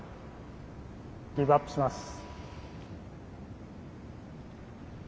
ギブアップします。